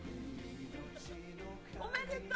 おめでとう！